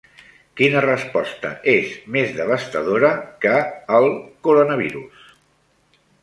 Quina resposta és més devastadora que el coronavirus?